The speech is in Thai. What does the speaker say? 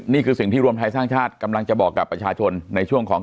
นี่คือสิ่งที่รวมไทยสร้างชาติกำลังจะบอกกับประชาชนในช่วงของ